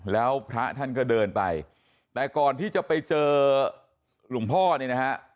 แล้วพระท่านก็เดินไปแต่ก่อนที่จะไปเจอหลวงพ่อเนี่ยนะฮะ